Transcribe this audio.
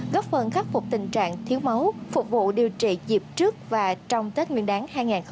giúp phục tình trạng thiếu máu phục vụ điều trị dịp trước và trong tết nguyên đáng hai nghìn một mươi tám